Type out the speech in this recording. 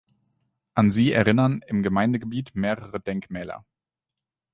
An sie erinnern im Gemeindegebiet mehrere Denkmäler.